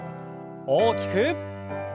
大きく。